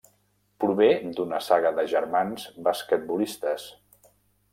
Prové d'una saga de germans basquetbolistes.